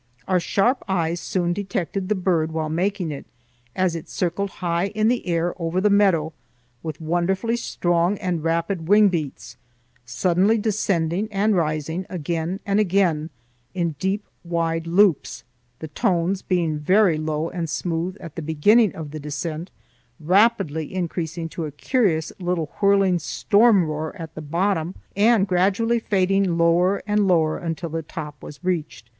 Our sharp eyes soon detected the bird while making it, as it circled high in the air over the meadow with wonderfully strong and rapid wing beats, suddenly descending and rising, again and again, in deep, wide loops; the tones being very low and smooth at the beginning of the descent, rapidly increasing to a curious little whirling storm roar at the bottom, and gradually fading lower and lower until the top was reached.